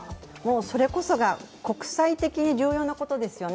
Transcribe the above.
それこそが国際的に重要なことですよね。